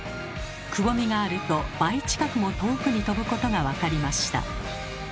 くぼみがあると倍近くも遠くに飛ぶことが分かりました。